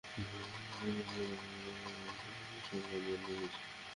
অথচ আইফোনের অ্যাপ ব্যবহার করে ছবি তোলাকে নিজের শখের পর্যায়েই নিয়ে গেছেন।